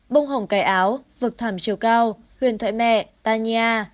bông hồng cái áo vực thảm chiều cao huyền thoại mẹ tanya